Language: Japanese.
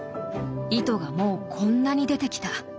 糸がもうこんなに出てきた。